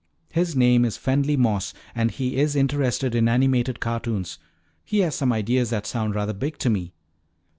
His name is Fenly Moss and he is interested in animated cartoons. He has some ideas that sound rather big to me.